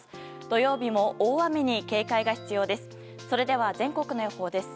土曜日も大雨に警戒が必要です。